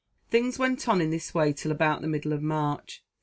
Things went on in this way till about the middle of March.